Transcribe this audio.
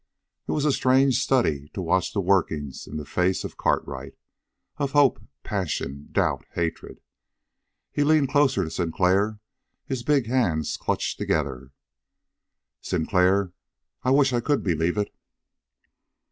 It was a strange study to watch the working in the face of Cartwright of hope, passion, doubt, hatred. He leaned closer to Sinclair, his big hands clutched together. "Sinclair, I wish I could believe it!"